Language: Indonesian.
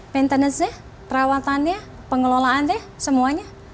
maintenance nya perawatannya pengelolaannya semuanya